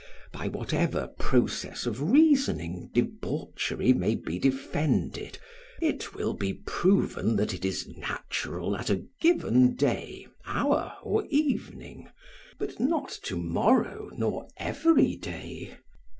By whatever process of reasoning debauchery may be defended, it will be proven that it is natural at a given day, hour or evening, but not to morrow nor every day.